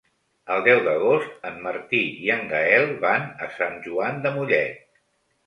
El deu d'agost en Martí i en Gaël van a Sant Joan de Mollet.